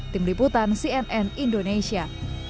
tim liputan cnn indonesia